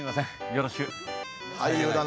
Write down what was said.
よろしく。